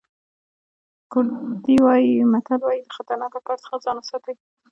کوردي متل وایي له خطرناکه کار څخه ځان وساتئ.